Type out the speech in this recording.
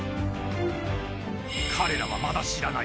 ［彼らはまだ知らない。